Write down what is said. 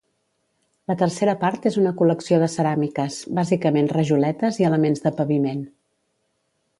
La tercera part és una col·lecció de ceràmiques, bàsicament rajoletes i elements de paviment.